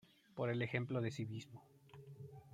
Por el ejemplo de civismo.